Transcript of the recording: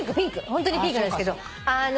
ホントにピンクなんですけど。